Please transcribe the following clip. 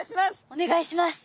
お願いします。